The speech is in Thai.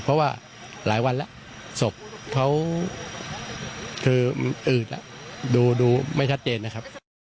เพราะว่าหลายวันแล้วศพเขาคืออืดดูไม่ชัดเจนนะครับ